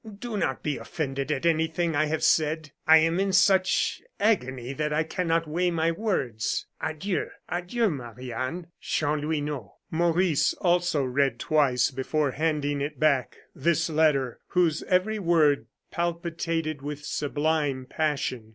"Do not be offended at anything I have said, I am in such agony that I cannot weigh my words. "Adieu, adieu, Marie Anne. "Chanlouineau." Maurice also read twice, before handing it back, this letter whose every word palpitated with sublime passion.